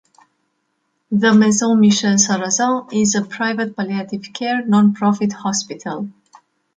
The Maison Michel-Sarrazin is a private palliative care, non-profit hospital.